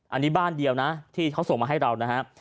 อันนี้บ้านเดียวนะที่เขาส่งมาให้เรานะครับ